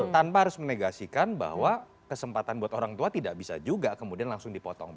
tanpa harus menegasikan bahwa kesempatan buat orang tua tidak bisa juga kemudian langsung dipotong